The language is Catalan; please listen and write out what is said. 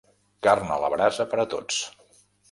Carn a la brasa per a tots